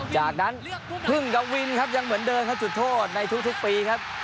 จากนั้นพึ่งกับวินครับยังเหมือนเดิมครับจุดโทษในทุกปีครับ